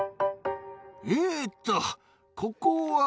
えーっと、ここは？